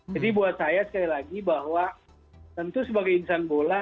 jadi buat saya sekali lagi bahwa tentu sebagai insan bola